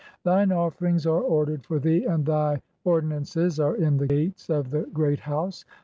Thine offerings (?) are ordered for thee, and thy "ordinances are in the gates of the Great House.